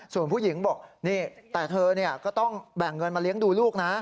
ส่วนผู้หญิงบอกนี่แต่เธอก็ต้องแบ่งเงินมาเลี้ยงดูลูกนะ